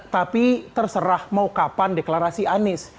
tapi terserah mau kapan deklarasi anies